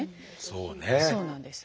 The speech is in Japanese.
そうね。